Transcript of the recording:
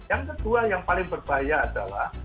yang kedua yang paling berbahaya adalah